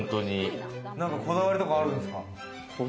こだわりとかあるんですか？